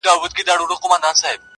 سر تر نوکه زنګېده له مرغلرو!.